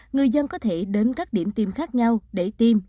người dân có thể đến các điểm tiêm khác nhau để tiêm